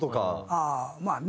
ああまあね。